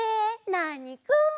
ナーニくん。